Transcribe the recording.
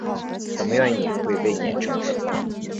怎么愿意会被碾成粉末？